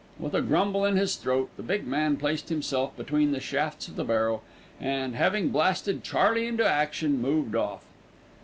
With a grumble in his throat, the big man placed himself between the shafts of the barrow and, having blasted Charley into action, moved off.